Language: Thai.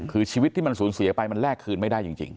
คือชีวิตที่มันสูญเสียไปมันแลกคืนไม่ได้จริง